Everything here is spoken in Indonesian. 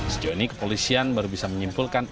sejauh ini kepolisian baru bisa menyimpulkan